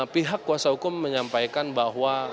pihak kuasa hukum menyampaikan bahwa